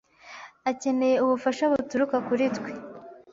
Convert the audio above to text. Akeneye ubufasha buturuka kuri twe.